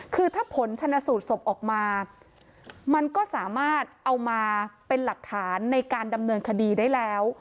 คือถ้าผลชนะสูตรศพออกมามันก็สามารถเอามาเป็นหลักฐานในการดำเนินคดีได้แล้ว